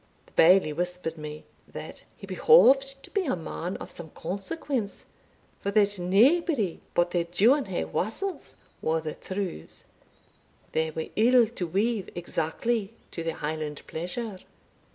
The Bailie whispered me, that "he behoved to be a man of some consequence, for that naebody but their Duinhe'wassels wore the trews they were ill to weave exactly to their Highland pleasure."